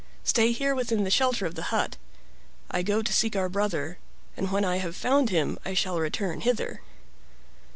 Stay here within the shelter of the hut. I go to seek our brother, and when I have found him I shall return hither."